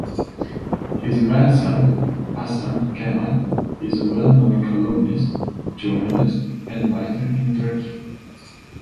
His grandson, Hasan Cemal, is a well known columnist, journalist and writer in Turkey.